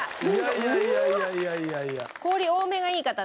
いやいやいやいやいやいや。